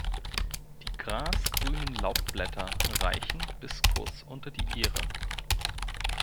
Die grasgrünen Laubblätter reichen bis kurz unter die Ähre.